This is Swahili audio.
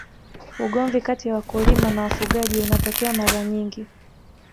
ugomvi kati ya wakulima na wafugaji unatokea mara nyingi